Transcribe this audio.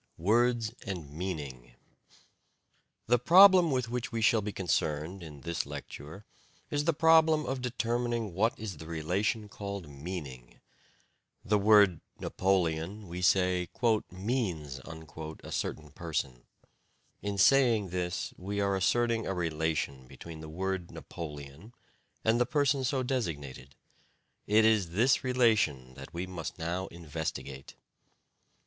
WORDS AND MEANING The problem with which we shall be concerned in this lecture is the problem of determining what is the relation called "meaning." The word "Napoleon," we say, "means" a certain person. In saying this, we are asserting a relation between the word "Napoleon" and the person so designated. It is this relation that we must now investigate.